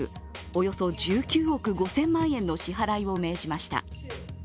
およそ１０億５０００万円の支払いを命じました。